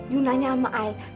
yu nanya sama aku